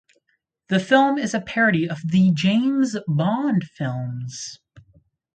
The film is a parody of the James Bond films.